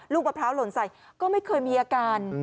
มะพร้าวหล่นใส่ก็ไม่เคยมีอาการ